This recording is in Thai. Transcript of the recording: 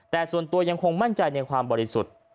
แต่ส่วนตัวยังคงมั่นใจในความบริสุทธิ์